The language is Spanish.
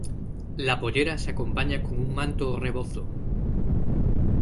La pollera se acompaña con un manto o rebozo.